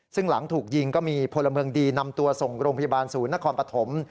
ซึ่งหลังถูกยิงก็มีพลเมืองดีนำตัวส่งโรงพยาบาลศูนย์นครปฐม